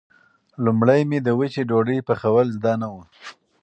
لومړی مې د وچې ډوډۍ پخول زده نه و.